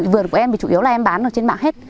vườn của em chủ yếu là em bán trên mạng hết